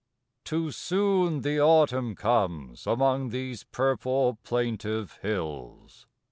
too soon the Autumn comes Among these purple plaintive hills!